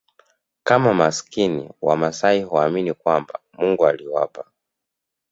kama maskini Wamasai huamini kwamba Mungu aliwapa